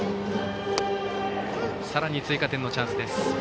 さらに追加点のチャンス。